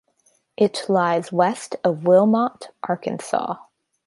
It lies west of Wilmot, Arkansas.